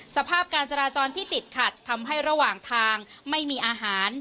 สภาพการจราจรที่ติดขัดทำให้ระหว่างทางไม่มีอาหาร